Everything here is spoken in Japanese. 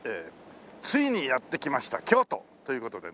ついにやって来ました京都という事でね。